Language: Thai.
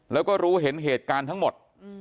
แล้วก็รู้เห็นเหตุการณ์ทั้งหมด